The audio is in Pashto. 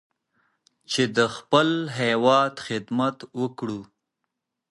چې د خپل هېواد خدمت وکړو.